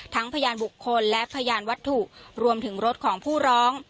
พยานบุคคลและพยานวัตถุรวมถึงรถของผู้ร้อง